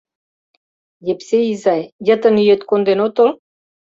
— Епсей изай, йытын ӱет конден отыл?